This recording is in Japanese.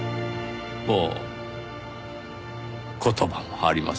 もう言葉もありません。